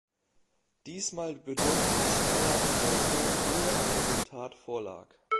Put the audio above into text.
Diesmal bedurfte es dreier Anläufe, ehe ein Resultat vorlag.